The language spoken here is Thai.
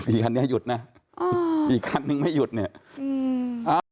คันนี้หยุดนะอีกคันนึงไม่หยุดเนี่ย